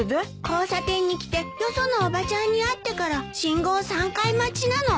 交差点に来てよそのおばちゃんに会ってから信号３回待ちなの。